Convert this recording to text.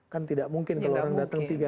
kan tidak mungkin kalau orang datang tiga